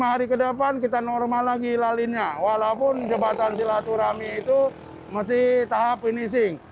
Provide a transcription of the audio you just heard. lima hari ke depan kita normal lagi lalinnya walaupun jembatan silaturahmi itu masih tahap finishing